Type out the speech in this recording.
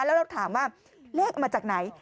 แล้วเราถามว่าเลขมาจากไหน